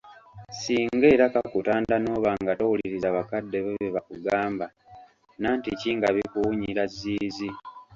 Singa era kakutanda n'oba nga towuliriza bakadde bo bye bakugamba nantiki nga bikuwunyira zziizi.